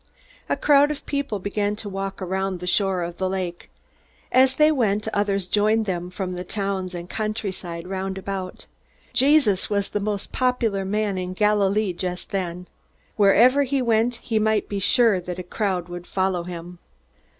A crowd of people began to walk around the shore of the lake. As they went, others joined them from the towns and countryside round about. Jesus was the most popular man in Galilee just then. Wherever he went, he might be sure that a crowd would follow him.